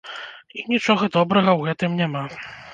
І нічога добрага ў гэтым няма.